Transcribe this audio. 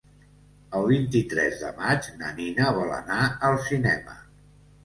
El vint-i-tres de maig na Nina vol anar al cinema.